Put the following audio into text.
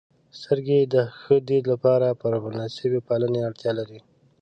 • سترګې د ښه دید لپاره پر مناسبې پالنې اړتیا لري.